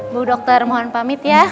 bu dokter mohon pamit ya